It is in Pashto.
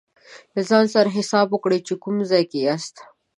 له ځان سره حساب وکړئ چې کوم ځای کې یاست.